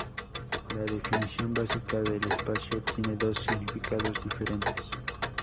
La definición básica del espacio tiene dos significados diferentes.